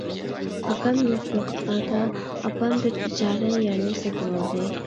ئاكام يوق ۋاقىتلاردا ئاپام بىر ئىجارە يەرنى سېتىۋالدى.